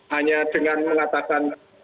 hanya dengan mengatakan